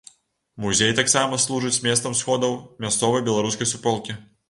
Музей таксама служыць месцам сходаў мясцовай беларускай суполкі.